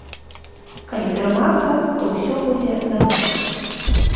Калі трымацца, то ўсё будзе нармальна.